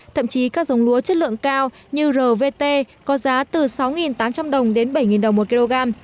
thậm chí các giống lúa chất lượng cao như rvt có giá từ sáu tám trăm linh đồng đến bảy đồng một kg